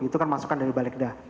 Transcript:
itu kan masukkan dari balik dah